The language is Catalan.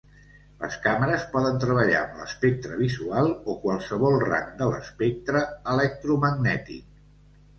Les càmeres poden treballar amb l'espectre visual o qualsevol rang de l'espectre electromagnètic.